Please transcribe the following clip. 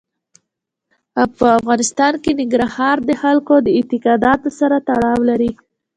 په افغانستان کې ننګرهار د خلکو د اعتقاداتو سره تړاو لري.